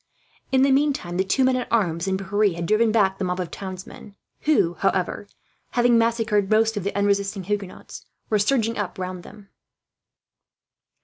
In the meantime the two men at arms and Pierre had driven back the mob of townsmen; who, however, having massacred most of the unresisting Huguenots, were surging up round them.